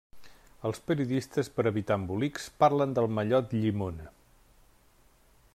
Els periodistes per evitar embolics parlen del mallot llimona.